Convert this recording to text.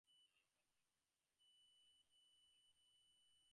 The name first appeared in Piazzi's Palermo Star Catalogue.